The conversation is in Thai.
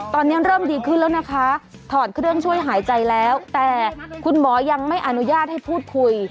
ตอนนี้เริ่มดีขึ้นแล้วนะคะถอดเครื่องช่วยหายใจแล้วแต่คุณหมอยังไม่อนุญาตให้พูดคุย